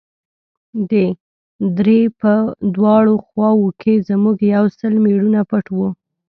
د درې په دواړو خواوو کښې زموږ يو سل مېړونه پټ وو.